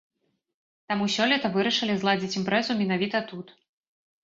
Таму сёлета вырашылі зладзіць імпрэзу менавіта тут.